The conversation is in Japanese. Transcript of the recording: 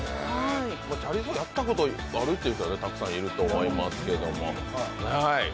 チャリ走やったことあるっていう人はたくさんいると思いますけど。